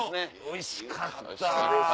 おいしかった。